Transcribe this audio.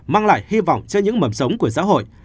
mang lại hy vọng cho những mầm sống của xã hội